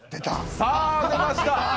さぁ、出ました。